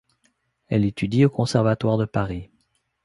Elle étudie au Conservatoire de Paris.